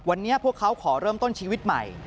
วันนี้พวกเขาขอเริ่มต้นชีวิตใหม่